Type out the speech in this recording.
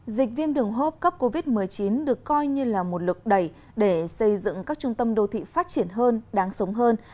dịch viêm đường hô hấp cấp covid một mươi chín được coi như là một lực đẩy để xây dựng các trung tâm đô thị phát triển hơn đáng sống hơn